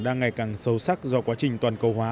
đang ngày càng sâu sắc do quá trình toàn cầu hóa